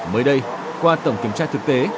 mới đây qua tổng kiểm tra thực tế